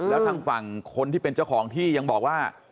แล้วทางฝั่งคนที่เป็นเจ้าของที่ยังบอกว่า